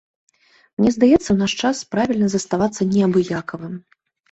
Мне здаецца, у наш час правільна заставацца неабыякавым.